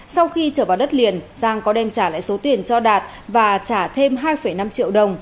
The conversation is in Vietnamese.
sau khi trở vào đất liền giang có đem trả lại số tiền cho đạt và trả thêm hai năm triệu đồng